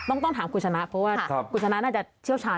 ต้องถามคุณชนะเพราะว่าคุณชนะน่าจะเชี่ยวชาญ